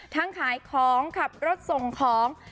ขายของขับรถส่งของ